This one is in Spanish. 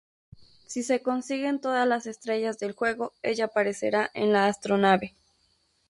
Si se consiguen todas las estrellas del juego, ella aparecerá en la "Astronave".